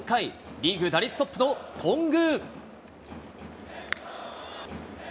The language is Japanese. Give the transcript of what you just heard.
リーグ打率トップの頓宮。